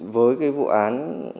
với vụ án